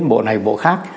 bộ này bộ khác